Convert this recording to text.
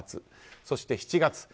そして、７月。